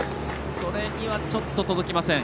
それにはちょっと届きません。